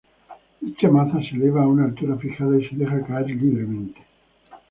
Dicha maza se eleva a una altura fijada, y se deja caer libremente.